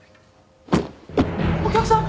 お客さん！？